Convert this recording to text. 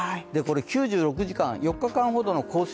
９６時間、４日間ほどの降水